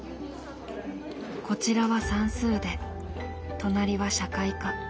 こちらは算数で隣は社会科。